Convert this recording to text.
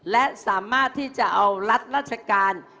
และสามารถที่จะเอารัฐราชการ